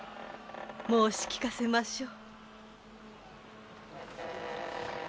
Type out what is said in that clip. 申し聞かせましょう。